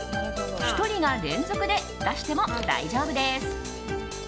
１人が連続で出しても大丈夫です。